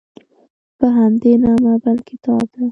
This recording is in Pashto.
په همدې نامه بل کتاب ده.